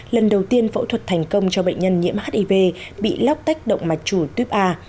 lần đầu tiên phẫu thuật thành công cho bệnh nhân nhiễm hiv bị lóc tách động mạch chủ tuyếp a